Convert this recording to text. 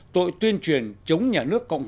tội tuyên truyền chống nhà nước cộng đồng